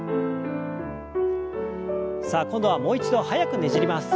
さあ今度はもう一度速くねじります。